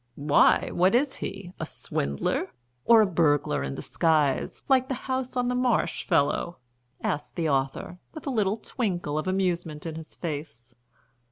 "Why, what is he? A swindler? Or a burglar in disguise, like the House on the Marsh fellow?" asked the author, with a little twinkle of amusement in his face.